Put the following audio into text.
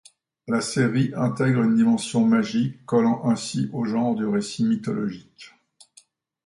La série intègre une dimension magique, collant ainsi au genre du récit mythologique.